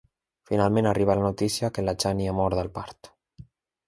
Finalment, arriba la notícia que la Chani ha mort al part.